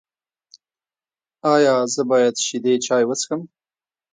ایا زه باید شیدې چای وڅښم؟